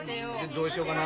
どうしようかな。